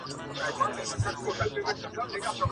له منظور پښتین سره دي !.